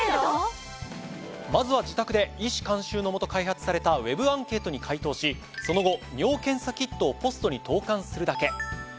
まずは自宅で医師監修のもと開発されたＷＥＢアンケートに回答しその後尿検査キットをポストに投函するだけ。